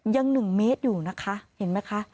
๑เมตรอยู่นะคะเห็นไหมคะ